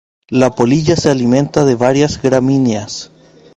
La polilla se alimenta de varias gramíneas.